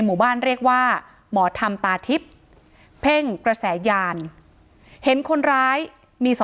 หมู่บ้านเรียกว่าหมอธรรมตาทิพย์เพ่งกระแสยานเห็นคนร้ายมี